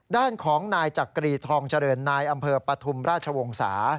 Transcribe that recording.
ด้านของนายจักรีทองเจริญนายอำเภอปฐุมราชวงศา